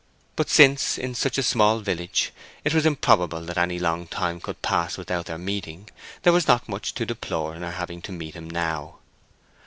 But since, in such a small village, it was improbable that any long time could pass without their meeting, there was not much to deplore in her having to meet him now.